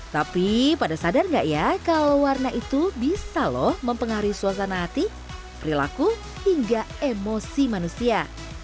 tapi pada sadar nggak ya kalau warna itu bisa loh mempengaruhi suasana hati perilaku hingga emosi manusia